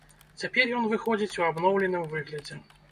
Цяпер ён выходзіць у абноўленым выглядзе.